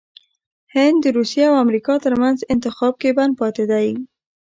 هند دروسیه او امریکا ترمنځ انتخاب کې بند پاتې دی😱